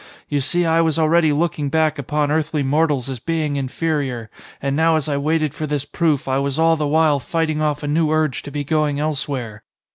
You see, I was already looking back upon earthly mortals as being inferior, and now as I waited for this proof I was all the while fighting off a new urge to be going elsewhere.